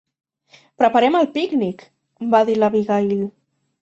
"Preparem el pícnic!", va dir l'Abigail.